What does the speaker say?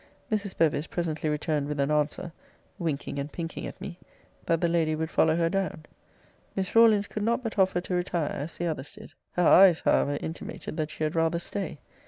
Mrs. Bevis presently returned with an answer (winking and pinking at me) that the lady would follow her down. Miss Rawlins could not but offer to retire, as the others did. Her eyes, however, intimated that she had rather stay.